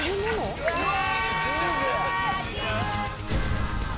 ・うわ！